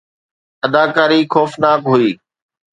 اداڪاري خوفناڪ هئي